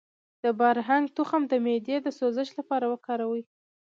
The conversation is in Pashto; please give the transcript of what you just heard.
د بارهنګ تخم د معدې د سوزش لپاره وکاروئ